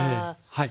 はい。